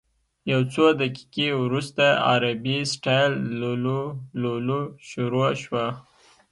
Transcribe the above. یو څو دقیقې وروسته عربي سټایل لللووللوو شروع شوه.